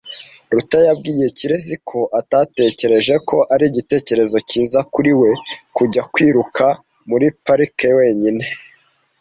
Ruta yabwiye Kirezi ko atatekereje ko ari igitekerezo cyiza kuri we kujya kwiruka muri parike wenyine.